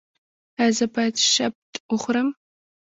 ایا زه باید شبت وخورم؟